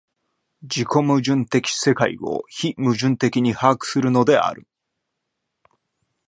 自己矛盾的世界を非矛盾的に把握するのである。